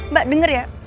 mbak denger ya